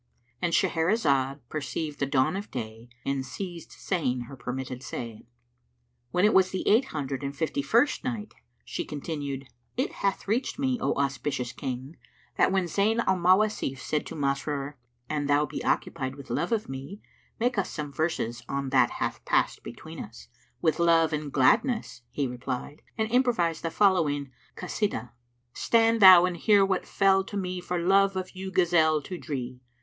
"—And Shahrazad perceived the dawn of day and ceased saying her permitted say. When it was the Eight Hundred and Fifty first Night, She continued, It hath reached me, O auspicious King, that when Zayn al Mawasif said to Masrur, "An thou be occupied with love of me, make us some verses on that hath passed between us," "With love and gladness," he replied and improvised the following Kasídah[FN#339], "Stand thou and hear what fell to me * For love of you gazelle to dree!